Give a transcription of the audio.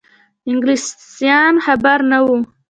انګلیسیان خبر نه وه.